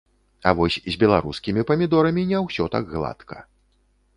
А вось з беларускімі памідорамі не ўсё так гладка.